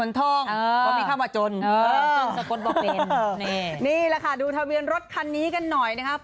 นี่แหละค่ะดูทะเบียนรถคันนี้กันหน่อยนะครับ